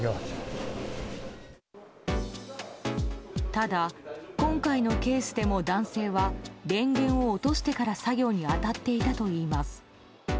ただ、今回のケースでも男性は、電源を落としてから作業に当たっていたといいます。